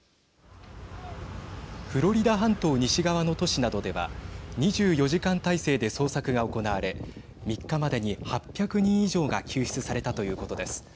フロリダ半島西側の都市などでは２４時間態勢で捜索が行われ３日までに８００人以上が救出されたということです。